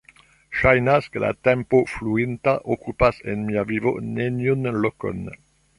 Ŝajnas, ke la tempo fluinta okupas en mia vivo neniun lokon.